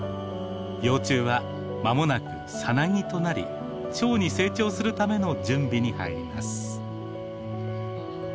幼虫は間もなくサナギとなりチョウに成長するための準備に入ります。